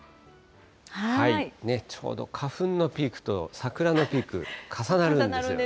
ちょうど花粉のピークと桜のピーク、重なるんですよね。